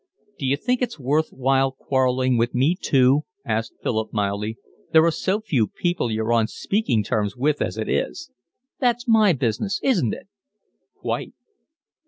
"D'you think it's worth while quarrelling with me too?" asked Philip mildly. "There are so few people you're on speaking terms with, as it is." "That's my business, isn't it?" "Quite."